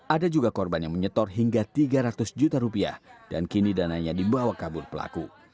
ada juga korban yang menyetor hingga tiga ratus juta rupiah dan kini dananya dibawa kabur pelaku